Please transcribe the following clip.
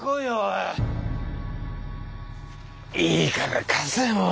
いいから貸せもう！